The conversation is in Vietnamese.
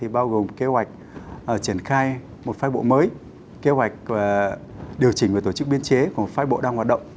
bao gồm kế hoạch triển khai một phái bộ mới kế hoạch điều chỉnh và tổ chức biên chế của một phái bộ đang hoạt động